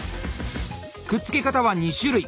くっつけ方は２種類。